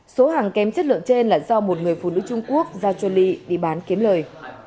số hàng kém chất lượng trên là do một người phụ nữ trung quốc giao cho ly đi bán kiếm lời